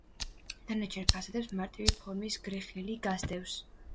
დანარჩენ ფასადებს მარტივი ფორმის გრეხილი გასდევს.